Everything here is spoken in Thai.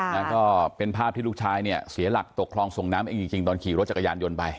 แล้วก็เป็นภาพที่ลูกชายเนี่ยเสียหลักตกคลองส่งน้ำเองจริงตอนขี่รถจักรยานยนต์ไป